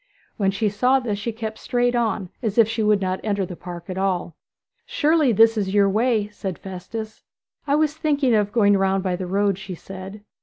When she saw this she kept straight on, as if she would not enter the park at all. 'Surely this is your way?' said Festus. 'I was thinking of going round by the road,' she said.